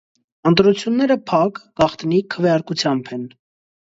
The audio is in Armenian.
Ընտրությունները փակ (գաղտնի) քվեարկությամբ են։